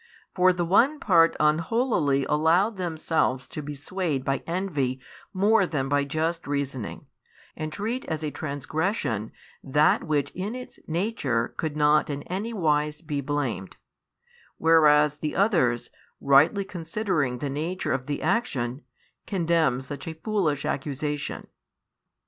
For the one part unholily allowed themselves to be swayed by envy more than by just reasoning, and treat as a transgression that which in its nature could not in any wise be blamed; whereas the others, rightly considering the nature of the action, condemn such a foolish accusation.